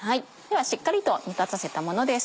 しっかりと煮立たせたものです。